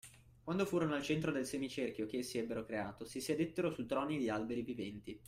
Quando furono al centro del semicerchio che essi ebbero creato, si sedettero su troni di alberi viventi